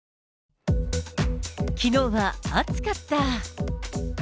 きのうは暑かった。